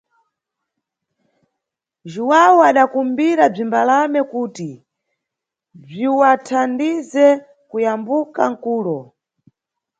Juwawu adakumbira bzimbalame kuti bziwathandize kuyambuka nʼkulo.